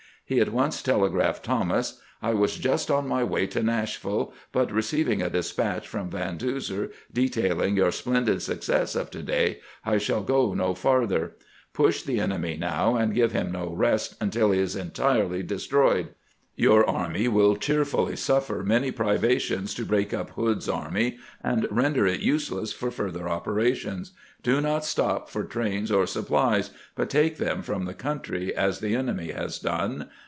He at once telegraphed Thomas :" I was just on my way to Nashville, but receiving a despatch from Van Duzer detailing your splendid suc cess of to day, I shall go no farther. Push the enemy now, and give him no rest until he is entirely destroyed. Your army will cheerfully suffer many privations to break up Hood's army and render it useless for future operations. Do not stop for trains or supplies, but take them from the country, as the enemy has done.